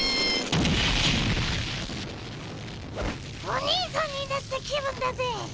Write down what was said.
おにいさんになった気分だぜ。